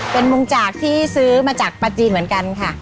เป็นมุงจากที่ซื้อมาจากปลาจีนเหมือนกันค่ะ